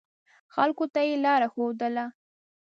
خلکو ته یې لاره ښودله.